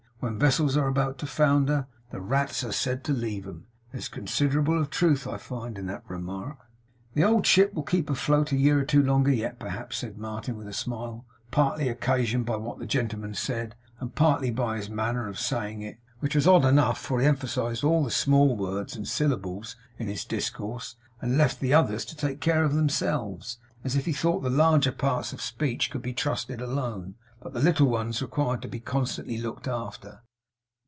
When vessels are about to founder, the rats are said to leave 'em. There is considerable of truth, I find, in that remark.' 'The old ship will keep afloat a year or two longer yet, perhaps,' said Martin with a smile, partly occasioned by what the gentleman said, and partly by his manner of saying it, which was odd enough for he emphasised all the small words and syllables in his discourse, and left the others to take care of themselves; as if he thought the larger parts of speech could be trusted alone, but the little ones required to be constantly looked after.